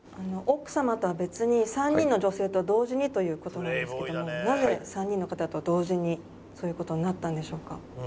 奥様とは別に３人の女性と同時にという事なんですけどもなぜ３人の方と同時にそういう事になったんでしょうか？